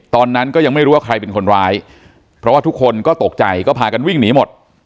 ตอนนั้นก็ยังไม่รู้ว่าใครเป็นคนร้ายเพราะว่าทุกคนก็ตกใจก็พากันวิ่งหนีหมด